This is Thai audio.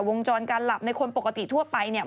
วงจรการหลับในคนปกติทั่วไปเนี่ย